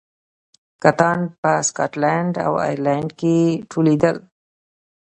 کتان په سکاټلند او ایرلنډ کې تولیدېدل.